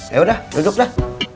ya udah duduk dah